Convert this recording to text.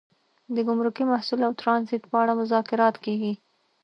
د ګمرکي محصول او ټرانزیټ په اړه مذاکرات کیږي